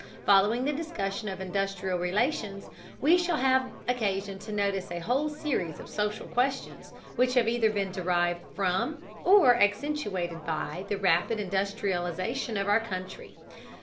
Following the discussion of industrial relations, we shall have occasion to notice a whole series of social questions which have either been derived from, or accentuated by, the rapid industrialization of our country.